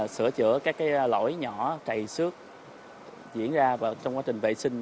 sửa chữa các lỗi nhỏ trầy xước diễn ra trong quá trình vệ sinh